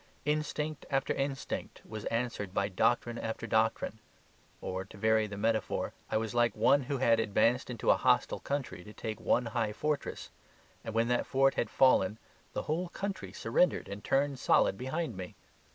Instinct after instinct was answered by doctrine after doctrine. Or, to vary the metaphor, I was like one who had advanced into a hostile country to take one high fortress. And when that fort had fallen the whole country surrendered and turned solid behind me.